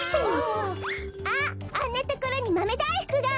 あっあんなところにまめだいふくが！